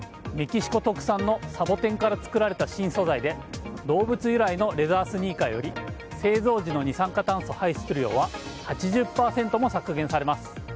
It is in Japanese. メキシコ特産のサボテンから作られた新素材で動物由来のレザースニーカーより製造時の二酸化炭素排出量は８０％も削減されます。